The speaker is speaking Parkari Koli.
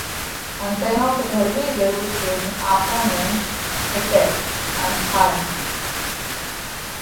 ان ڪيونڪ ڌرمِي ڳرُو ٿينَ آپون نئہ ڦٽئه ان کائه۔